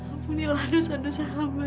ampunilah dosa dosa hamba